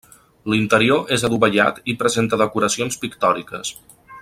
L'interior és adovellat i presenta decoracions pictòriques.